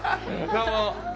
どうも。